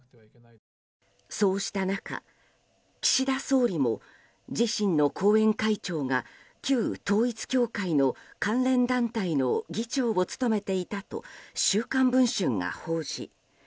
そうした中、岸田総理も自身の後援会長が旧統一教会の関連団体の議長を務めていたと「週刊文春」が報じ